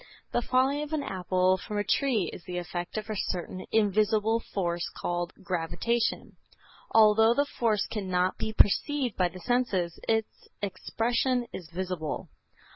The falling of an apple from a tree is the effect of a certain invisible force called gravitation. Although the force cannot be perceived by the senses, its expression is visible.